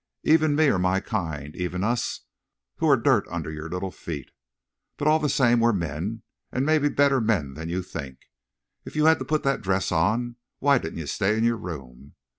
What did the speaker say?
Even me or my kind! Even us, who're dirt under your little feet. But all the same we're men, an' mebbe better men than you think. If you had to put that dress on, why didn't you stay in your room?